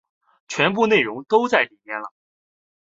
全部内容都在里面了